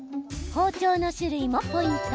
包丁の種類もポイント。